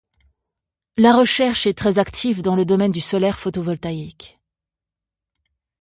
La recherche est très active dans le domaine du solaire photovoltaïque.